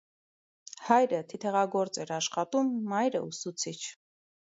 Հայրը թիթեղագործ էր աշխատում, մայրը՝ ուսուցիչ։